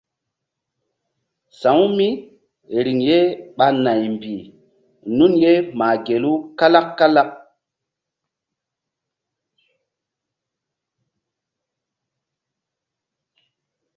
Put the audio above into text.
Sa̧wu mí riŋ ye ɓa naymbih nun ye mah gelu kalak kalak.